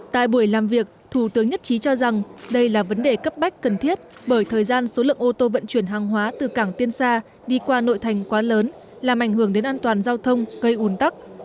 tại buổi làm việc thủ tướng nhất trí cho rằng đây là vấn đề cấp bách cần thiết bởi thời gian số lượng ô tô vận chuyển hàng hóa từ cảng tiên sa đi qua nội thành quá lớn làm ảnh hưởng đến an toàn giao thông gây ủn tắc